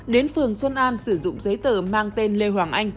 đến phường xuân an sử dụng giấy tờ mang tên lê hoàng anh